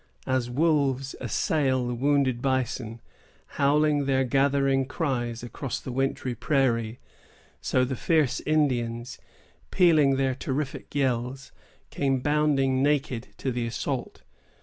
As wolves assail the wounded bison, howling their gathering cries across the wintry prairie, so the fierce Indians, pealing their terrific yells, came bounding naked to the assault.